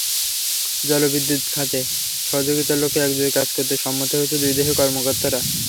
জলবিদ্যুৎ খাতে সহযোগিতার লক্ষ্যে একযোগে কাজ করতেও সম্মত হয়েছেন দুই দেশের কর্মকর্তারা।